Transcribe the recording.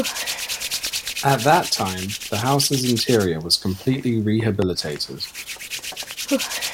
At that time, the house's interior was completely rehabilitated.